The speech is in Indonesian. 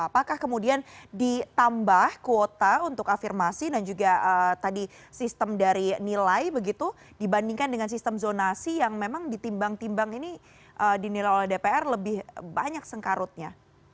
apakah kemudian ditambah kuota untuk afirmasi dan juga tadi sistem dari nilai begitu dibandingkan dengan sistem zonasi yang memang ditimbang timbang ini dinilai oleh dpr lebih banyak sengkarutnya